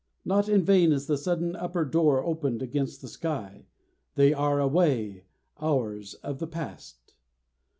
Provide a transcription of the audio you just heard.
Not in vain is the sudden upper door opened against the sky; they are away, hours of the past.